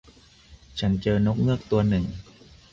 ฉันเจอนกเงือกตัวหนึ่ง